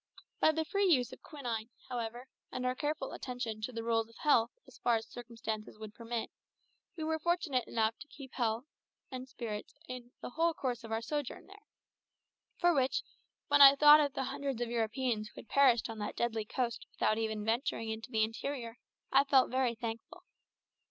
By the free use of quinine, however, and careful attention to the roles of health as far as circumstances would permit, we were fortunate enough to keep in excellent health and spirits during the whole course of our sojourn there; for which, when I thought of the hundreds of Europeans who had perished on that deadly coast without even venturing into the interior, I felt very thankful.